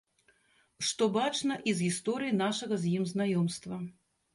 Што бачна і з гісторыі нашага з ім знаёмства.